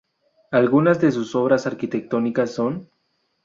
Algunas de sus obras arquitectónicas son